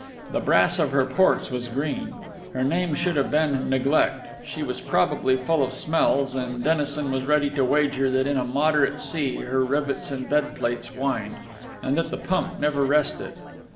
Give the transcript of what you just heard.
The brass of her ports were green. Her name should have been Neglect. She was probably full of smells; and Dennison was ready to wager that in a moderate sea her rivets and bedplates whined, and that the pump never rested.